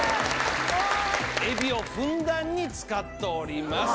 エビをふんだんに使っております。